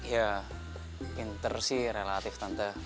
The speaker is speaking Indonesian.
ya pinter sih relatif standar